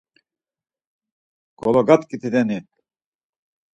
Golagadgitineni?